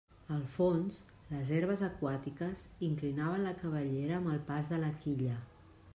Al fons, les herbes aquàtiques inclinaven la cabellera amb el pas de la quilla.